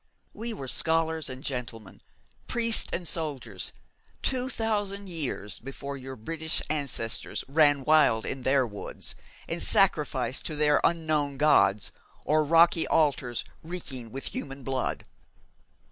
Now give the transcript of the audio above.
We were scholars and gentleman, priests and soldiers, two thousand years before your British ancestors ran wild in their woods, and sacrificed to their unknown gods or rocky altars reeking with human blood!